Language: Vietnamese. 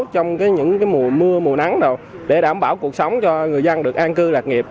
trong những mùa mưa mùa nắng để đảm bảo cuộc sống cho người dân được an cư lạc nghiệp